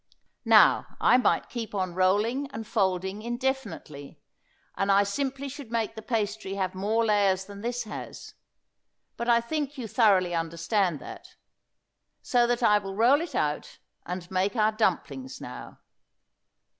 Now I might keep on rolling and folding indefinitely, and I simply should make the pastry have more layers than this has, but I think you thoroughly understand that, so that I will roll it out, and make our dumplings now.